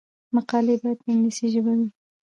مقالې باید په انګلیسي ژبه وي.